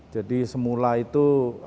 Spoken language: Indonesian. jadi semula itu